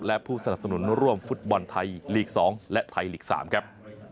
และผู้สนับสนุนร่วมฟุตบอลไทยลีก๒และไทยลีก๓ครับ